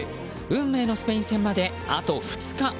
運命のスペイン戦まで、あと２日。